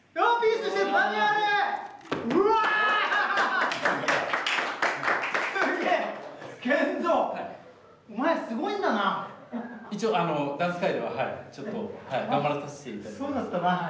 あそうだったな。